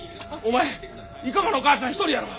前生駒のお母さん一人やろ。